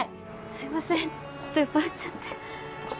すいませんちょっと酔っ払っちゃって